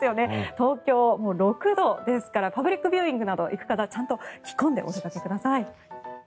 東京、６度ですからパブリックビューイングなどに行く方、ちゃんと着込んでお出かけください。